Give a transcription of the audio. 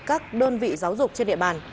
các đơn vị giáo dục trên địa bàn